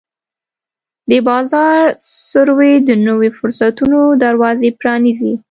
د بازار سروې د نویو فرصتونو دروازې پرانیزي.